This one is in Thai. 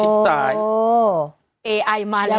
เอไอมาแล้ว